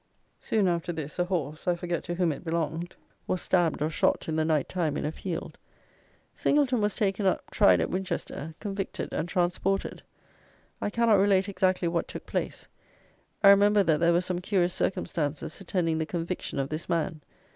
Soon after this, a horse (I forget to whom it belonged) was stabbed or shot in the night time in a field. Singleton was taken up, tried at Winchester, convicted and transported. I cannot relate exactly what took place. I remember that there were some curious circumstances attending the conviction of this man.